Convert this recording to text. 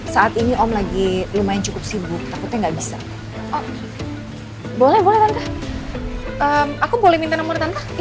saat ini om lagi lumayan cukup sibuk takutnya enggak bisa boleh boleh aku boleh minta nomor tante